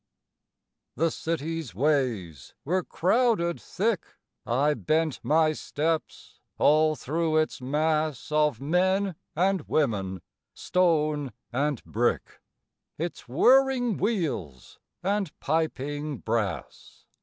The city's ways were crowded thick, I bent my steps athrough its mass Of men and women, stone and brick, Its whirring wheels and piping brass.